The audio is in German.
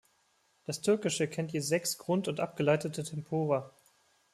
Das Türkische kennt je sechs Grund- und abgeleitete Tempora.